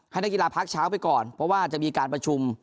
นักกีฬาพักเช้าไปก่อนเพราะว่าจะมีการประชุม